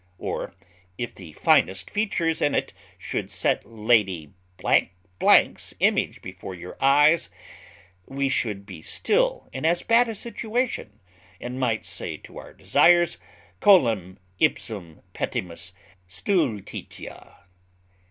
Or, if the finest features in it should set Lady 's image before our eyes, we should be still in as bad a situation, and might say to our desires, Coelum ipsum petimus stultitia.